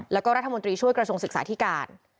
แล้วก็รัฐมนตรีช่วยกระทรวงศึกษาธิการ